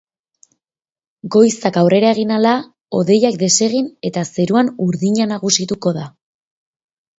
Goizak aurrera egin ahala, hodeiak desegin eta zeruan urdina nagusituko da.